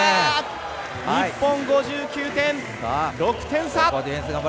日本、５９点６点差。